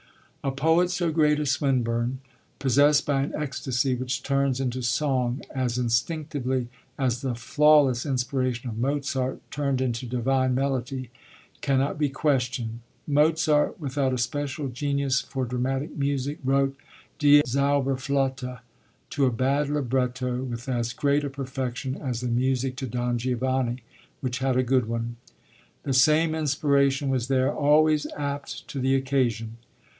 A poet so great as Swinburne, possessed by an ecstasy which turns into song as instinctively as the flawless inspiration of Mozart turned into divine melody, cannot be questioned. Mozart, without a special genius for dramatic music, wrote Die Zauberflöte to a bad libretto with as great a perfection as the music to Don Giovanni, which had a good one. The same inspiration was there, always apt to the occasion.